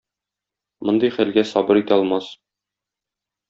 Мондый хәлгә сабыр итә алмас.